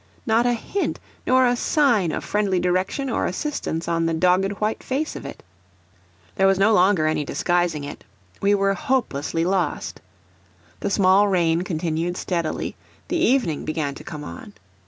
Not a hint nor a sign of friendly direction or assistance on the dogged white face of it. There was no longer any disguising it we were hopelessly lost. The small rain continued steadily, the evening began to come on.